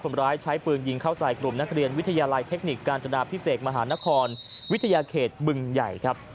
คนร้ายใช้ปืนยิงเข้าใส่กลุ่มนักเรียนวิทยาลัยเทคนิคกาญจนาพิเศษมหานครวิทยาเขตบึงใหญ่ครับ